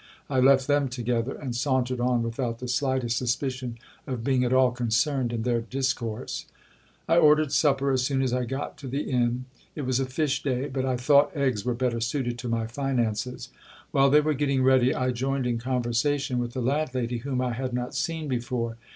I left them together, and sauntered on without the slightest suspicion of being at all concerned in their discourse. I ordered supper as soon as I got to the inn. It was a fish day : but I thought eggs were better suited to my finances. While they were getting ready I joined in conversation with the landlady, whom I had not seen before.